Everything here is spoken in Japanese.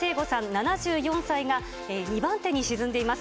７４歳が２番手に沈んでいます。